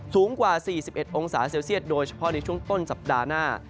สูงกว่า๔๑องศาเซลเซียตโดยเฉพาะในช่วงต้นสัปดาห์หน้า